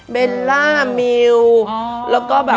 เบลล่ามิวแล้วก็แบบ